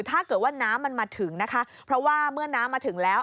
ถ้าเกิดว่าน้ำมันมาถึงนะคะเพราะว่าเมื่อน้ำมาถึงแล้ว